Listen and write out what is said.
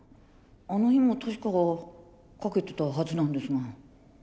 あの日も確か掛けてたはずなんですが。